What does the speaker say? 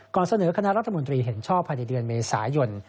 เสนอคณะรัฐมนตรีเห็นชอบภายในเดือนเมษายน